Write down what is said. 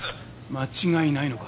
間違いないのか？